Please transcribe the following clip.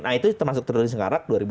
nah itu termasuk tour de singkarak